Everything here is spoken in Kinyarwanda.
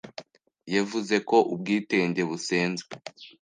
yevuze ko ubwitenge busenzwe